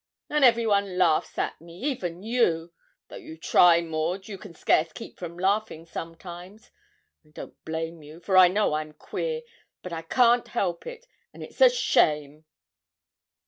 'An' every one laughs at me even you; though you try, Maud, you can scarce keep from laughing sometimes. I don't blame you, for I know I'm queer; but I can't help it; and it's a shame.'